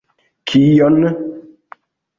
Kion!